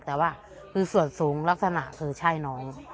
แต่ว่าคือส่วนสูงลักษณะคือใช่น้อง